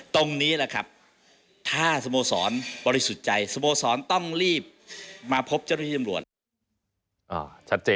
ตรงนี้แหละครับถ้าสโมสรบริสุทธิ์ใจสโมสรต้องรีบมาพบเจ้าหน้าที่ตำรวจ